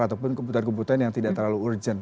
ataupun kebutuhan kebutuhan yang tidak terlalu urgent